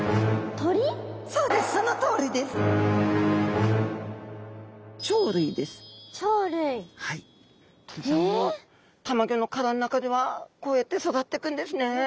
鳥さんもたまギョの殻の中ではこうやって育ってくんですね。